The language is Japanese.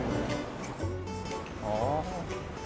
ああ。